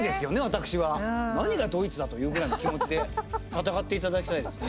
何がドイツだというぐらいの気持ちで戦っていただきたいです。